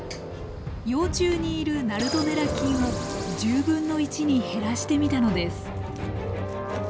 幼虫にいるナルドネラ菌を１０分の１に減らしてみたのです。